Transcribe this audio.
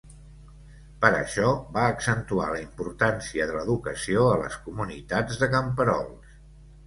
Per això, va accentuar la importància de l'educació a les comunitats de camperols.